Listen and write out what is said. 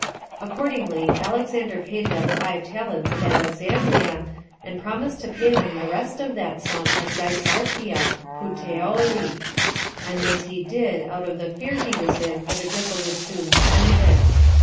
Accordingly, Alexander paid them five talents at Alexandria, and promised to pay them the rest of that sum at Dicearchia [Puteoli]; and this he did out of the fear he was in that Agrippa would soon spend it.